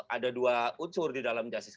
ada dua unsur di dalam justice